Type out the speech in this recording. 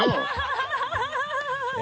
ハハハ